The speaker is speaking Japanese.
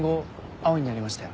青になりましたよ。